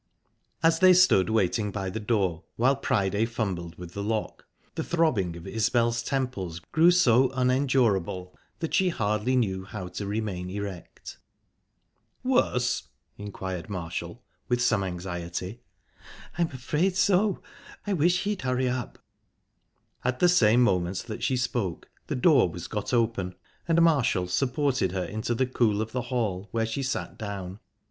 As they stood waiting by the door, while Priday fumbled with the lock, the throbbing of Isbel's temples grew so unendurable that she hardly knew how to remain erect. "Worse?" inquired Marshall, with some anxiety. "I'm afraid so. I wish he'd hurry up." At the same moment that she spoke, the door was got open, and Marshall supported her into the cool of the hall, where she sat down.